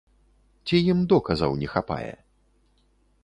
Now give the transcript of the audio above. Ці ім доказаў не хапае?